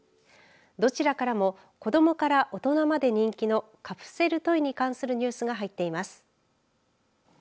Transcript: どちらからも子どもから大人まで人気のカプセルトイに関するニュースが入っています。